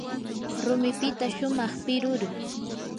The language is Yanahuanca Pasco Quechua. rumipita shumaq piruru.